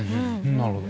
なるほど。